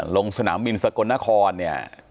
ลงสนามบินสกลนครเนี่ย